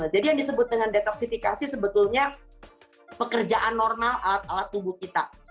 jadi yang disebut dengan detoksifikasi sebetulnya pekerjaan normal alat alat tubuh kita